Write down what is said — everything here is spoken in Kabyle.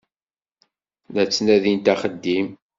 La ttnadint axeddim.